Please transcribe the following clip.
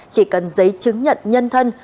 chỉ cần giấy chứng nhận nhân thân